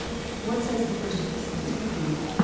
What says the First Epistle to Timothy